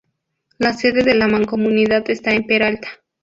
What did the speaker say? La sede de la mancomunidad está en Peralta.